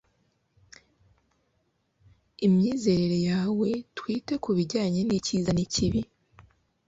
imyizerere yawe bwite kubijyanye nicyiza n'ikibi